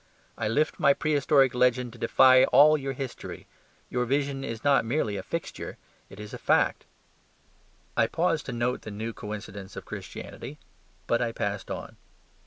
I lift my prehistoric legend to defy all your history. Your vision is not merely a fixture: it is a fact." I paused to note the new coincidence of Christianity: but I passed on.